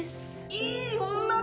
いい女だ！